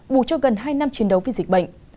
bù cho gần hai năm chiến đấu vì dịch bệnh